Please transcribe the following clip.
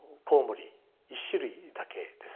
１種類だけです。